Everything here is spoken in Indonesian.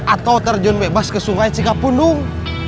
atau terjun bebas ke sungai cikapundung